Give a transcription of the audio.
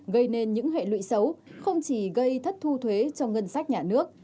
gây nên những hệ lụy xấu không chỉ gây thất thu thuế cho ngân sách nhà nước